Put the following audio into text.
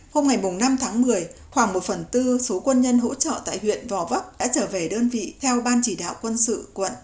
hôm ngày năm tháng một mươi khoảng một phần tư số quân nhân hỗ trợ tại huyện gò vấp đã trở về đơn vị theo ban chỉ đạo quân sự quận